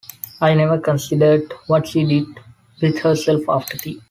I never considered what she did with herself after tea.